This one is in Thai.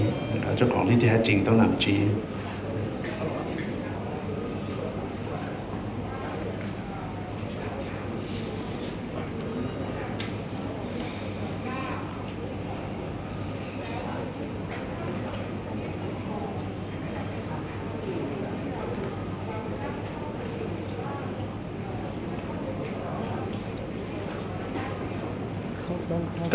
แล้วก็จะบอกว่านี่แท้จริงต้องนำทรีย์